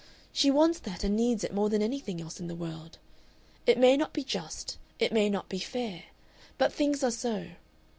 She wants that and needs it more than anything else in the world. It may not be just, it may not be fair, but things are so.